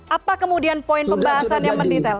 apa kemudian poin pembahasan yang mendetail